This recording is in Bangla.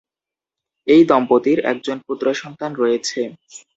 এই দম্পতির একজন পুত্র সন্তান রয়েছে।